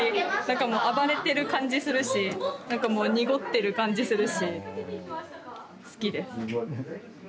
暴れてる感じするしなんかもう濁ってる感じするし好きです。